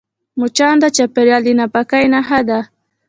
مچان د چاپېریال د ناپاکۍ نښه ده